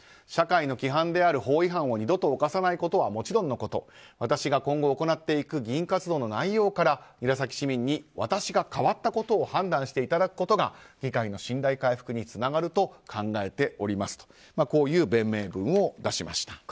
社会の規範であろう法違反を二度と起こさないことはもちろん私が今後行っていく議員活動の内容から韮崎市民に私が変わったことを判断していただくことが議会の信頼回復につながると考えておりますという弁明文を出しました。